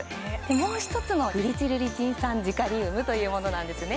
もう一つのグリチルリチン酸ジカリウムというものなんですね